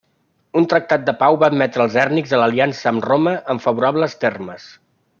Un tractat de pau va admetre als hèrnics a l'aliança amb Roma en favorables termes.